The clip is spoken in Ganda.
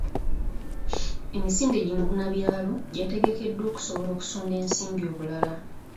Emisinde gi mubunabyalo gyategekeddwa okusobola okusonda ensimbi obulala.